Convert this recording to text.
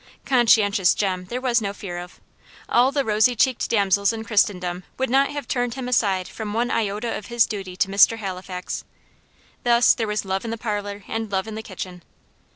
Conscientious Jem there was no fear of all the rosy cheeked damsels in Christendom would not have turned him aside from one iota of his duty to Mr. Halifax. Thus there was love in the parlour and love in the kitchen.